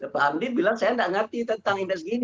pak hamdi bilang saya tidak mengerti tentang indeks gini